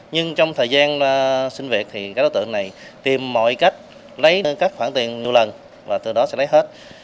nhưng trong thời gian sinh việc thì các đối tượng này tìm mọi cách lấy các khoản tiền nhiều lần và từ đó sẽ lấy hết